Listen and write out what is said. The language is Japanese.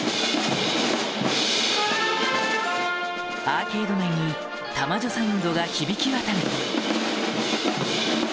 アーケード内に玉女サウンドが響き渡る